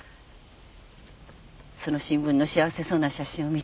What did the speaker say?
その新聞の幸せそうな写真を見て思いました。